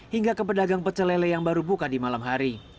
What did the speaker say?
hingga ke pedagang pecelele yang baru buka di malam hari